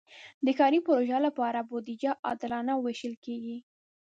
د ښاري پروژو لپاره بودیجه عادلانه ویشل کېږي.